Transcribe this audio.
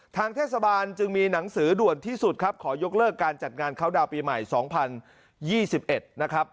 ทางเทศบาลจึงมีหนังสือด่วนที่สุดครับขอยกเลิกการจัดงานเข้าดาวน์ปีใหม่๒๐๒๑นะครับ